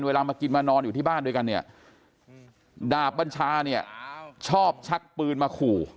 มากินมานอนอยู่ที่บ้านด้วยกันเนี่ยดาบบัญชาเนี่ยชอบชักปืนมาขู่